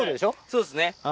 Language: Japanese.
そうですね。